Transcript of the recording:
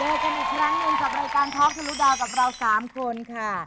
เจอกันอีกครั้งอื่นกับรายการทอคทูลดาวกับเราสามคนค่ะ